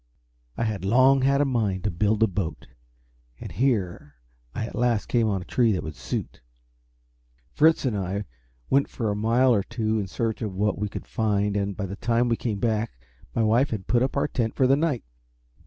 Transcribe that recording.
I had long had a mind to build a boat, and here I at last came on a tree that would suit. Fritz and I went for a mile or two in search of what we could find, and by the time we came back my wife had put up our tent for the night.